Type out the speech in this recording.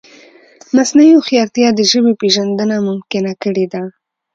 مصنوعي هوښیارتیا د ژبې پېژندنه ممکنه کړې ده.